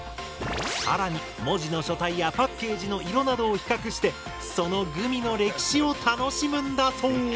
更に文字の書体やパッケージの色などを比較してそのグミの歴史を楽しむんだそう。